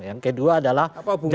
yang kedua adalah